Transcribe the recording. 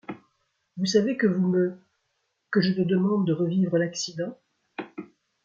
Vous savez que vous me-- — Que je te demande de revivre l’accident ?